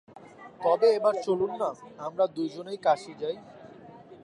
তবে একবার চলুন-না, আমরা দুইজনেই কাশী যাই।